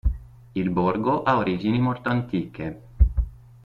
Il borgo ha origini molto antiche.